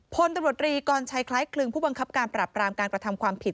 พลตำรวจรีกรชัยคล้ายคลึงผู้บังคับการปรับรามการกระทำความผิด